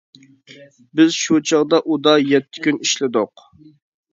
بىز شۇ چاغدا ئۇدا يەتتە كۈن ئىشلىدۇق.